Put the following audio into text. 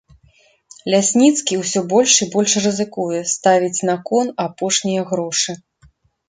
Лясніцкі ўсё больш і больш рызыкуе, ставіць на кон апошнія грошы.